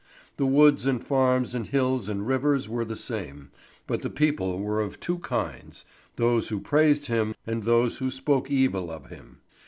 The woods and farms and hills and rivers were the same, but the people were of two kinds those who praised him, and those who spoke evil of him.